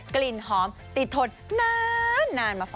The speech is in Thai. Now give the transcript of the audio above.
กลิ่นหอมติดทนนานมาฝ